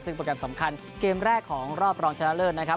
ซึ่งโปรแกรมสำคัญเกมแรกของรอบรองชนะเลิศนะครับ